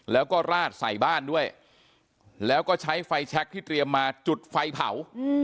แล้วก็ราดใส่บ้านด้วยแล้วก็ใช้ไฟแชคที่เตรียมมาจุดไฟเผา